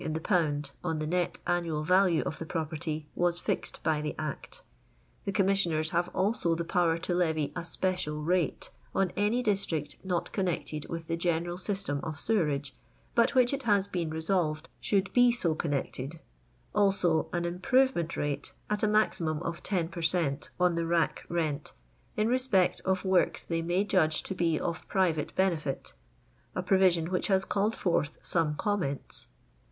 in the pound on the net annual value of the property was fixed by the Act The Commissioners have also the power to levy a " special rate" on any district not connected with the general system of sewerage, but which it hM been reiolved uoold be so connected ; also an "improvemtnt rtte. at a maximum of 10 per cent on the rack rent, " in respect of works they may judge to be of private benefit," a provision which has called forth some comments.